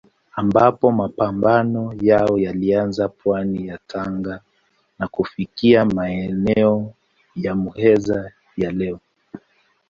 Ambapo mapambano yao yalianza pwani ya Tanga na kufika maeneo ya Muheza ya leo.